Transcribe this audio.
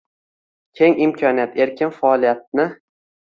Keng imkoniyat, erkin faoliyatng